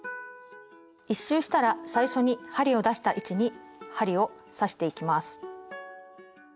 １周したら最初に針を出した位置に針を刺していきます。